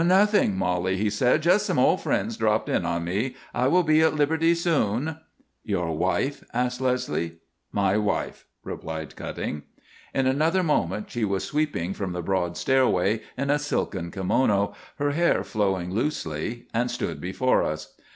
"Nothing, Molly," he said. "Just some old friends dropped in on me. I will be at liberty soon." "Your wife?" asked Leslie. "My wife," replied Cutting. In another moment she was sweeping from the broad stairway in a silken kimono, her hair flowing loosely, and stood before us.